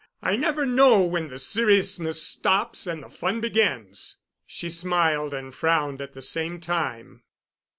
I never know when the seriousness stops and the fun begins." She smiled and frowned at the same time.